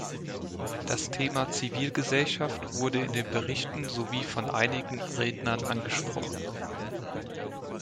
Das Thema Zivilgesellschaft wurde in den Berichten sowie von einigen Rednern angesprochen.